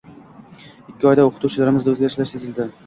Ikki oyda o‘quvchilarimizda o‘zgarishlar sezildi.